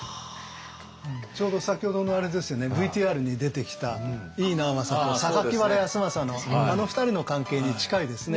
ちょうど先ほどのあれですよねＶＴＲに出てきた井伊直政と原康政のあの２人の関係に近いですね。